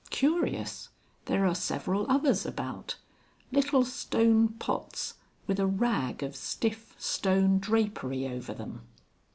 Curious! There are several others about little stone pots with a rag of stiff stone drapery over them."